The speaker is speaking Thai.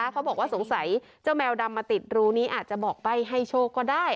เขาบอกว่าสงสัยเจ้าแมวดำมาติดรูนี้อาจจะบอกใบ้ให้โชคก็ได้